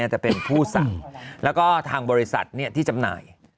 จะเป็นผู้สั่งแล้วก็ทางบริษัทที่จำหน่าย